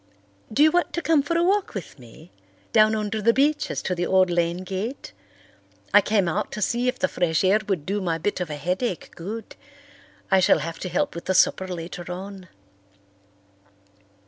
Do you want to come for a walk with me—down under the beeches to the old lane gate? I came out to see if the fresh air would do my bit of a headache good. I shall have to help with the supper later on."